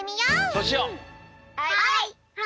はい！